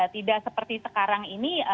tidak seperti sekarang ini